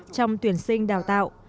trong tuyển sinh đào tạo